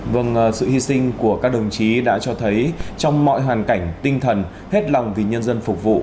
vâng sự hy sinh của các đồng chí đã cho thấy trong mọi hoàn cảnh tinh thần hết lòng vì nhân dân phục vụ